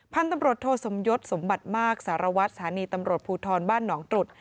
พันธุ์ตำรวจโทสมยศสมบัติมากสารวัตรสถานีตำรวจภูทรบ้านหนองตรุษ